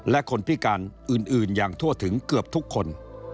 และคนพิการอื่นอย่างทั่วถึงเกือบทุกคน